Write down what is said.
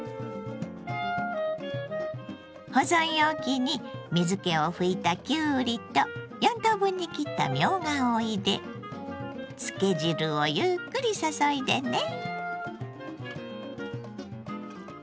保存容器に水けを拭いたきゅうりと４等分に切ったみょうがを入れ漬け汁をゆっくり注いでね。